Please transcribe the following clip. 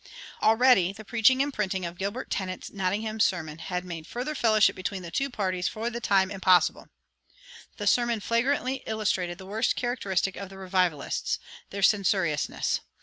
Already the preaching and printing of Gilbert Tennent's "Nottingham Sermon" had made further fellowship between the two parties for the time impossible. The sermon flagrantly illustrated the worst characteristic of the revivalists their censoriousness.